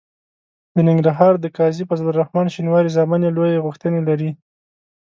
د ننګرهار د قاضي فضل الرحمن شینواري زامن لویې غوښتنې لري.